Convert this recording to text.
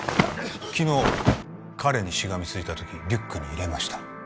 昨日彼にしがみついた時リュックに入れました